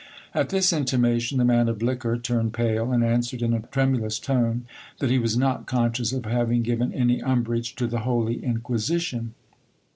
At this intimation, the man of liquor turned pale, and answered in a tremulous tone that he was not conscious of having given any umbrage to the holy inquisi tion.